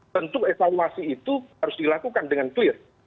tentu evaluasi itu harus dilakukan dengan clear